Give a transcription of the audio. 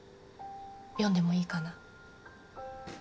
読んでもいいかな。